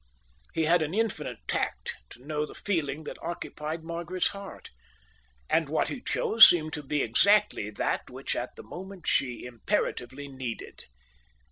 He had an infinite tact to know the feeling that occupied Margaret's heart, and what he chose seemed to be exactly that which at the moment she imperatively needed.